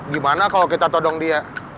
gimana kalau kita todong dia